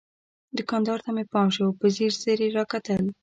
دوکاندار ته مې پام شو، په ځیر ځیر یې را کتل.